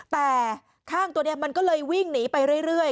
แต่ข้างตัวนี้มันก็เลยวิ่งหนีไปเรื่อย